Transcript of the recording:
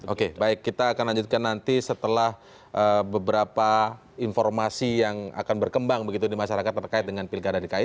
oke baik kita akan lanjutkan nanti setelah beberapa informasi yang akan berkembang begitu di masyarakat terkait dengan pilkada dki